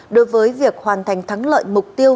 đối với việc hoàn thành thắng lợi mục tiêu